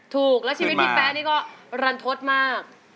ถูกแล้วชีวิตพี่แป๊ะนี่ก็รันทดมาก